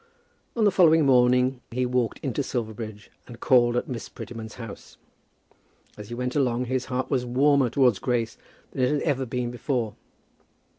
On the following morning he walked into Silverbridge and called at Miss Prettyman's house. As he went along his heart was warmer towards Grace than it had ever been before.